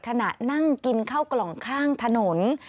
ขณะนั่งกินข้าวกล่องข้างถนน